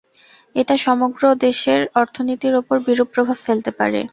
এটা সমগ্র দেশের অর্থনীতির ওপর বিরূপ প্রভাব ফেলতে পারে।